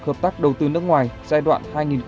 hợp tác đầu tư nước ngoài giai đoạn